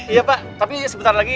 iya pak tapi sebentar lagi